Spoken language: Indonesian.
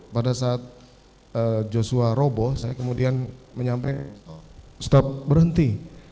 pada saat joshua robo saya kemudian menyampaikan stop berhenti